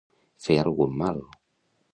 Fer algun mal.